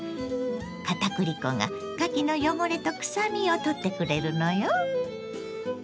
片栗粉がかきの汚れとくさみを取ってくれるのよ。